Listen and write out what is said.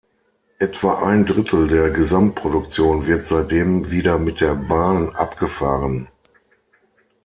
Etwa ein Drittel der Gesamtproduktion wird seitdem wieder mit der Bahn abgefahren.